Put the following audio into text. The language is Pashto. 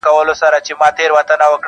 څه همت څه ارادې څه حوصلې سه.